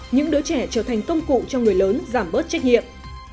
những đứa trẻ trở thành công cụ cho người lớn giảm bớt trách nhiệm